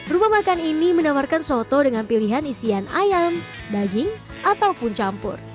rumah makan ini menawarkan soto dengan pilihan isian ayam daging ataupun campur